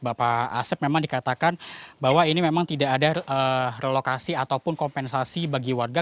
bapak asep memang dikatakan bahwa ini memang tidak ada relokasi ataupun kompensasi bagi warga